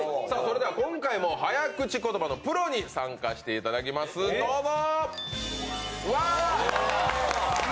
今回も早口言葉のプロに参加していただきますどうぞ。